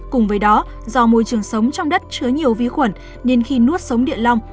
cùng với đó do môi trường sống trong đất chứa nhiều vi khuẩn nên khi nuốt sống địa lòng